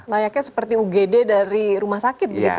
layaknya seperti ugd dari rumah sakit gitu ya